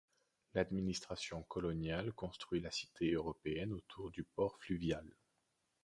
L'administration coloniale construit la cité européenne autour du port fluvial.